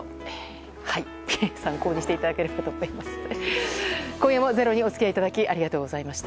参考にしていただければと思います。